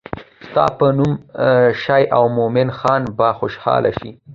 ستا به نوم شي او مومن خان به خوشحاله شي.